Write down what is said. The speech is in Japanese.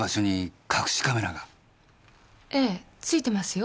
ええついてますよ。